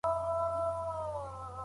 ایا ملي بڼوال وچه مېوه پلوري؟